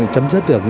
chấm dứt được